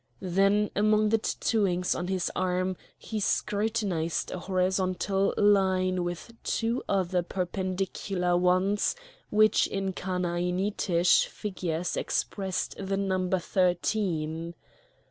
Then among the tattooings on his arm he scrutinised a horizontal line with two other perpendicular ones which in Chanaanitish figures expressed the number thirteen.